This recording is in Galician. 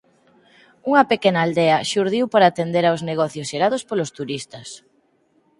Unha pequena aldea xurdiu para atender aos negocios xerados polos turistas.